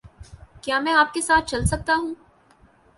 کیا میں آپ کے ساتھ چل سکتا ہوں؟